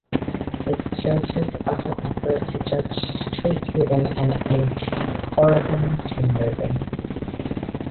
The judges also confer a Judge's Choice ribbon and an Honorable Mention ribbon.